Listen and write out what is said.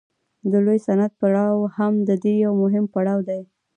د لوی صنعت پړاو هم د دې یو مهم پړاو دی